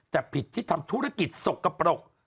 แต่ผิดที่ทำธุรกิจสกปรก